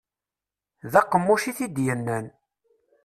D aqemmuc i t-id-yennan.